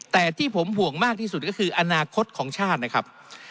แต่ที่ผมห่วงมากที่สุดก็คืออนาคตของชาตินะครับ